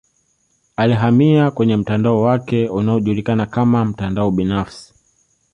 Alihamia kwenye mtandao wake unaojulikana kama mtandao binafsi